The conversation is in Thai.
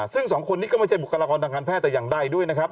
ซึ่ง๒คนนี้ก็ไม่ใช่บุคลากรดังกลางแพทย์แต่ยังได้ด้วย